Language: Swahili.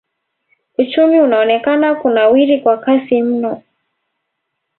Uchumi unaonekana kunawiri kwa kasi mno.